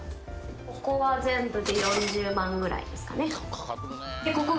ここは全部で４０万ぐらいですかね。